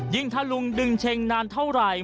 ถ้าลุงดึงเช็งนานเท่าไหร่